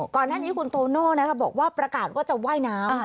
ก่อนหน้านี้คุณโตโน่บอกว่าประกาศว่าจะว่ายน้ำ